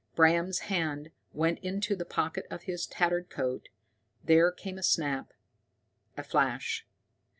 Bram's hand went to the pocket of his tattered coat, there came a snap, a flash.